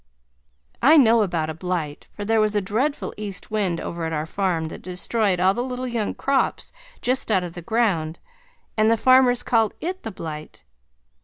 I know about a Blight, for there was a dreadful east wind over at our farm that destroyed all the little young crops just out of the ground, and the farmers called it the Blight.